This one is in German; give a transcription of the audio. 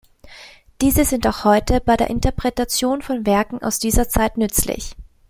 Diese sind auch heute bei der Interpretation von Werken aus dieser Zeit nützlich.